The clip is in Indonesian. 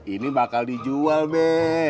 ini bakal dijual be